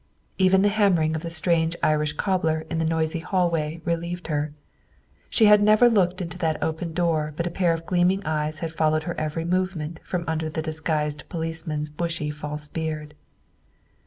Even the hammering of the strange Irish cobbler in the noisy hallway relieved her. She had never looked into that open door but a pair of gleaming eyes had followed her every movement from under the disguised policeman's bushy false beard.